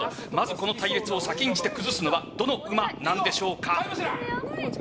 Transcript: この隊列を先んじて崩すのはどのうまなんでしょうか。